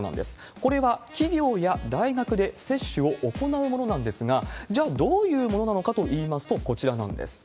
これは企業や大学で接種を行うものなんですが、じゃあ、どういうものなのかといいますと、こちらなんです。